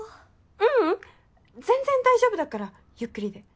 ううん全然大丈夫だからゆっくりで。